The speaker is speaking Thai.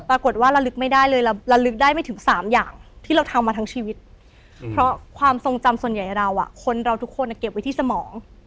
ปรากฏว่าระลึกไม่ได้เลยเราระลึกได้ไม่ถึง๓อย่างที่เราทำมาทั้งชีวิตเพราะความทรงจำส่วนใหญ่เราคนเราทุกคนเก็บไว้ที่สมอง